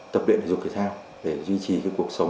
tập luyện thể dục thể thao